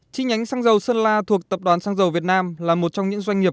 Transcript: chi nhánh xăng dầu sơn la thuộc tập đoàn xăng dầu việt nam là một trong những doanh nghiệp